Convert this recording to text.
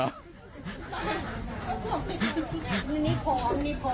มันนี้พร้อม